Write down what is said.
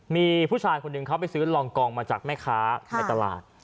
มีผู้ชายคนหนึ่งเขาไปซื้อรองกองมาจากแม่ค้าในตลาด